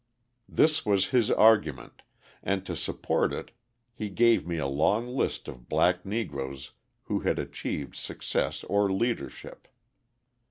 This was his argument, and to support it he gave me a long list of black Negroes who had achieved success or leadership.